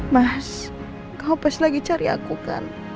mas kamu pas lagi cari aku kan